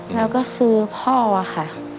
แล้วก็คือพ่อค่ะ